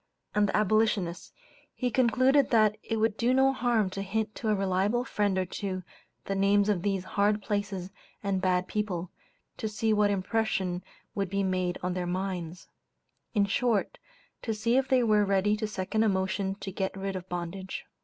and the Abolitionists, he concluded that it would do no harm to hint to a reliable friend or two the names of these hard places and bad people, to see what impression would be made on their minds; in short, to see if they were ready to second a motion to get rid of bondage.